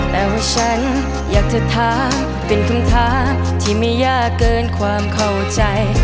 แต่ว่าฉันอยากจะท้าเป็นคำท้าที่ไม่ยากเกินความเข้าใจ